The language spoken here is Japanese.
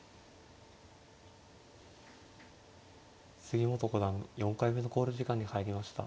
杉本五段４回目の考慮時間に入りました。